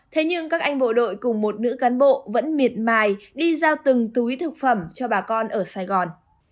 thế nhưng các anh bộ đội cùng một nữ cán bộ vẫn miệt mài đi giao từng túi thực phẩm cho bà con ở sài gòn